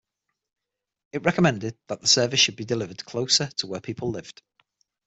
It recommended that the service should be delivered closer to where people lived.